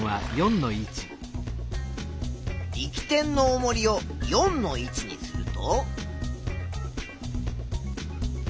力点のおもりを４の位置にすると。